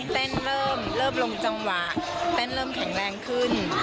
แทนเริ่มเริ่มลงจังหวะแทนเริ่มแข็งแรงขึ้น